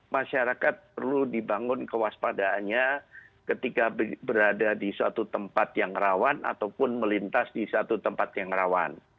masyarakat perlu dibangun kewaspadaannya ketika berada di suatu tempat yang rawan ataupun melintas di satu tempat yang rawan